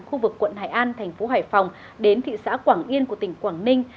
khu vực quận hải an thành phố hải phòng đến thị xã quảng yên của tỉnh quảng ninh